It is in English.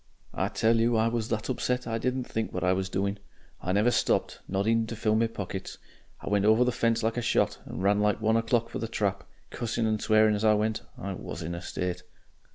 "I tell you I was that upset I didn't think what I was doing. I never stopped not even to fill my pockets. I went over the fence like a shot, and ran like one o'clock for the trap, cussing and swearing as I went. I WAS in a state....